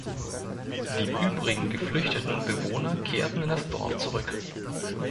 Die übrigen geflüchteten Bewohner kehrten in das Dorf zurück.